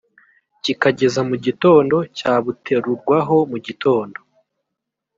kikageza mu gitondo cyabuterurwaho mu gitondo